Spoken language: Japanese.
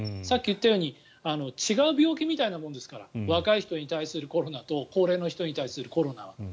さっき言ったように違う病気みたいなものですから若い人に対するコロナと高齢の人に対するコロナは。